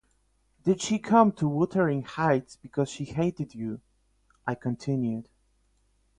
‘Did she come to Wuthering Heights because she hated you?’ I continued.